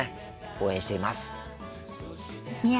応援しています。